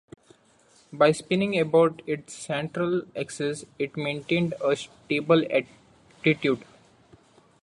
By spinning about its central axis, it maintained a stable attitude.